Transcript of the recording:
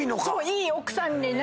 いい奥さんになる。